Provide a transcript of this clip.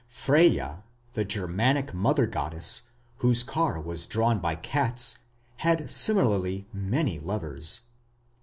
Freyja, the Germanic mother goddess, whose car was drawn by cats, had similarly many lovers.